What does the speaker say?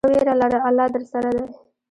مه ویره لره، الله درسره دی.